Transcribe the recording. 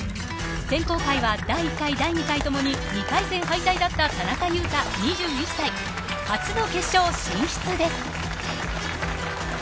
選考会は第１回、第２回ともに２回戦敗退だった田中佑汰２１歳、初の決勝進出です。